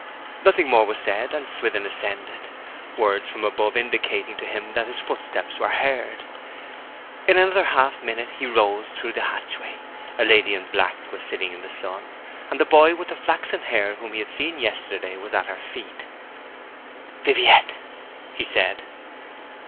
Nothing more was said, and Swithin ascended, words from above indicating to him that his footsteps were heard. In another half minute he rose through the hatchway. A lady in black was sitting in the sun, and the boy with the flaxen hair whom he had seen yesterday was at her feet. 'Viviette!' he said.